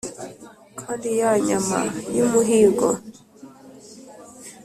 kandi ya nyama y' umuhigo